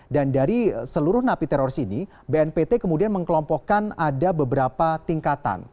dan dari seluruh napi teroris ini bnpt kemudian mengkelompokkan ada beberapa tingkatan